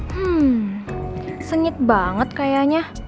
hmm sengit banget kayaknya